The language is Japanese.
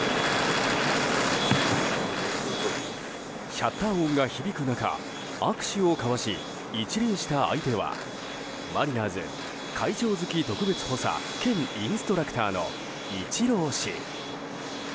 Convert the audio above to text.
シャッター音が響く中握手を交わし一礼した相手は、マリナーズ会長付特別補佐兼インストラクターのイチロー氏。